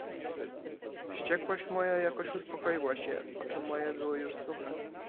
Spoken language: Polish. "Wściekłość moja jakoś uspokoiła się, oczy moje były już suche."